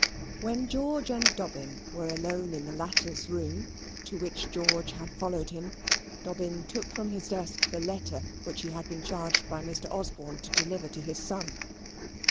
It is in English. When George and Dobbin were alone in the latter's room, to which George had followed him, Dobbin took from his desk the letter which he had been charged by Mr. Osborne to deliver to his son.